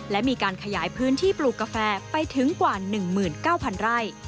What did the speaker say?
และมีการขยายพื้นที่ปลูกกาแฟไปถึงกว่า๑๙๐๐ไร่